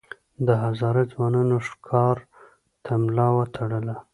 د هزاره ځوانانو ښکار ته ملا وتړله.